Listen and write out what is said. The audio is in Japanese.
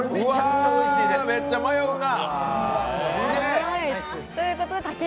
うわ、めっちゃ迷うな！